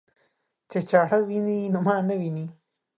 چې چاړه ويني نو ما نه ويني.